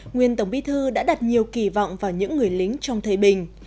nguyên tổng bí thư đã đặt nhiều kỳ vọng vào những người lính trong thời bình